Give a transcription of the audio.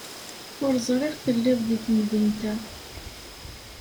Ur ẓriɣ telliḍ deg temdint-a.